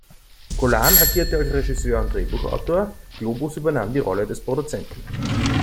Golan agierte als Regisseur und Drehbuchautor, Globus übernahm die Rolle des Produzenten.